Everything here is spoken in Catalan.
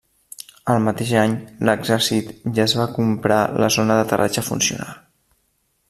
El mateix any, l'exèrcit ja es va comprar la zona d'aterratge funcional.